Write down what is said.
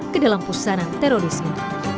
ke dalam pusanan terorisme